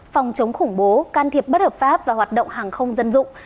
phòng chống khủng bố can thiệp bất hợp pháp và hoạt động hàng không dân dụng